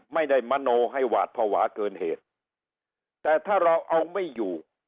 มโนให้หวาดภาวะเกินเหตุแต่ถ้าเราเอาไม่อยู่